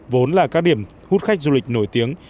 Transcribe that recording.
vốn là các điểm hút khách du lịch nổi tiếng